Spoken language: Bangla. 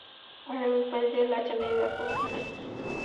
আরে ওই পাশ দিয়ে লাইট জ্বালিয়ে দেখো - ওখানে?